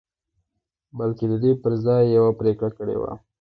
بلکې د دې پر ځای يې يوه پرېکړه کړې وه.